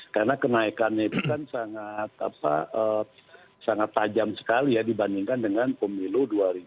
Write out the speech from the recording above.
karena kenaikannya itu kan sangat tajam sekali ya dibandingkan dengan pemilu dua ribu dua puluh